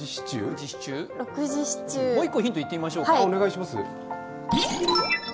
もう１個ヒントいってみましょうか。